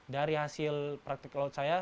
dari hasil praktik laut saya